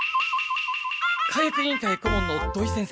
・火薬委員会顧問の土井先生